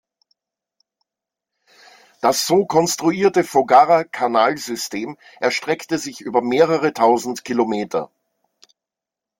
Das so konstruierte Foggara-Kanalsystem erstreckte sich über mehrere tausend Kilometer.